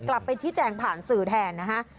กลับไปชี้แจงผ่านสื่อแทนนะฮะ